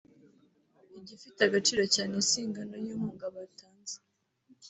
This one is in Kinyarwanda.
igifite agaciro cyane si ingano y’inkunga batanze